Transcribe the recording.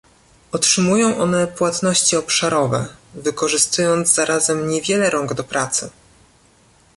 Otrzymują one płatności obszarowe, wykorzystując zarazem niewiele rąk do pracy